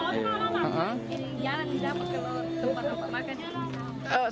jalan tidak apa kalau tempat tempat makan